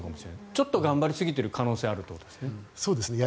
ちょっと頑張りすぎている可能性があるということですよね。